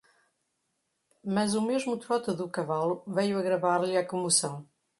Mas o mesmo trote do cavalo veio agravar-lhe a comoção.